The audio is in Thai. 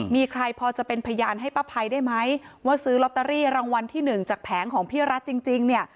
มีใครพอจะเป็นพยานให้ป้าภัยได้ไหมว่าซื้อลอตเตอรี่รางวัลที่หนึ่งจากแผงของพี่รัฐจริงเนี่ย